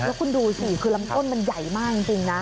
แล้วคุณดูสิคือลำต้นมันใหญ่มากจริงนะ